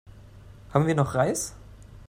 Haben wir noch Reis?